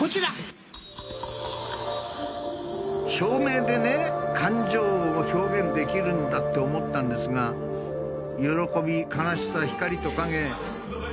照明でね感情を表現できるんだって思ったんですが喜び悲しさ光と影引き込まれるよね。